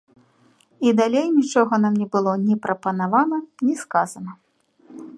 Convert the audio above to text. І далей нічога нам не было ні прапанавана, ні сказана.